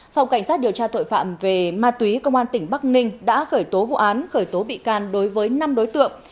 phòng cảnh sát điều tra tội phạm về ma túy công an tỉnh bắc ninh đã khởi tố vụ án khởi tố bị can đối với năm đối tượng